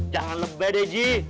jangan lebat ji